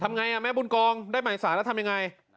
ทำอย่างไรแม่บุญกองได้หมายสารแล้วทำอย่างไร